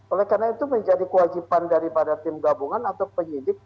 oleh karena itu menjadi kewajiban daripada tim gabungan atau penyidik